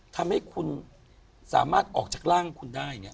ทำให้คุณสามารถออกจากร่างคุณได้เนี่ย